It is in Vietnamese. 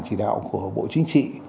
chỉ đạo của bộ chính trị